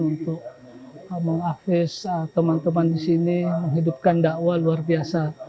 untuk sosokah hasan untuk mengafis teman teman di sini menghidupkan dakwah luar biasa